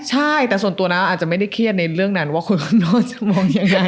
ใช่แต่ส่วนตัวน้าอาจจะไม่ได้เครียดในเรื่องนั้นว่าคุณวันโน้จะมองยังไง